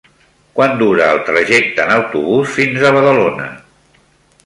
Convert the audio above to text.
Quant dura el trajecte en autobús fins a Badalona?